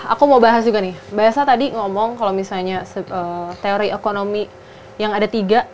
aku mau bahas juga nih mbak esa tadi ngomong kalau misalnya teori ekonomi yang ada tiga